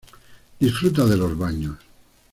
Disfruta de los baños.